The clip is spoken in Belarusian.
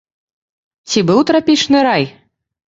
Ці быў трапічны рай?